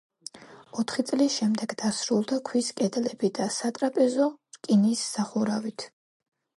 ოთხი წლის შემდეგ დასრულდა ქვის კედლები და სატრაპეზო, რკინის სახურავით.